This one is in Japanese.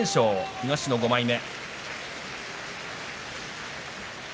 東の５枚目。